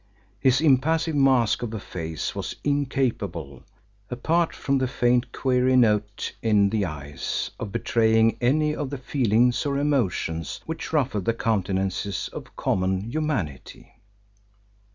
His impassive mask of a face was incapable apart from the faint query note in the eyes of betraying any of the feelings or emotions which ruffle the countenances of common humanity.